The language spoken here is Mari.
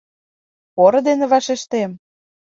Поро дене вашештем.